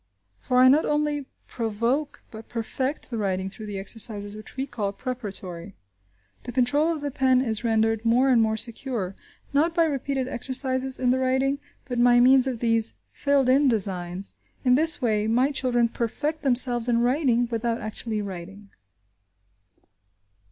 For I not only provoke, but perfect, the writing through the exercises which we call preparatory. The control of the pen is rendered more and more secure, not by repeated exercises in the writing, but by means of these filled in designs. In this way, my children perfect themselves in writing, without actually writing.